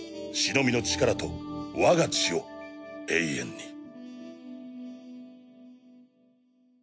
シノビの力と我が血を永遠に」。